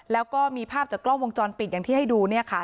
แล้วก็มีภาพจากกล้องวงจรปิดอย่างที่ให้ดู